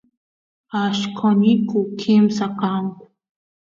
allqosniyku kimsa kanku